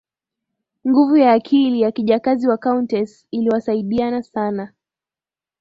nguvu ya akili ya kijakazi wa countess iliwasaidiana sana